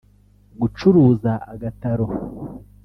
gucuruza agataro